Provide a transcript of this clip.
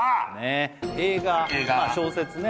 映画小説ね